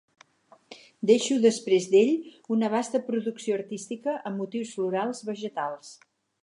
Deixo després d'ell, una vasta producció artística amb motius florals, vegetals.